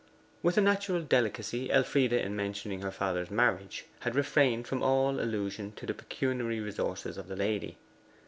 With a natural delicacy, Elfride, in mentioning her father's marriage, had refrained from all allusion to the pecuniary resources of the lady.